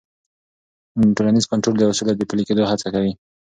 ټولنیز کنټرول د اصولو د پلي کېدو هڅه کوي.